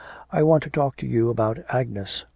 'I want to talk to you about Agnes.